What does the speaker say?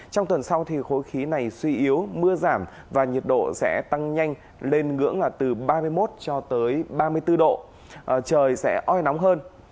trong tuần sau thì khối khí này suy yếu mưa giảm và nhiệt độ sẽ tăng nhanh lên ngưỡng là từ ba mươi một cho tới ba mươi bốn độ trời sẽ oi nóng hơn